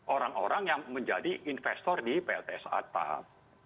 orang orang yang menjadi investor di plt saat taat